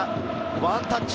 ワンタッチ。